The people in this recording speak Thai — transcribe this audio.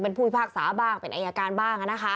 เป็นผู้หญิงภาพศาสน์บ้างเป็นอายการบ้าง